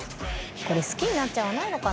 これ好きになっちゃわないのかな？